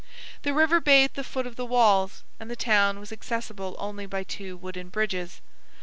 The river bathed the foot of the walls; and the town was accessible only by two wooden bridges.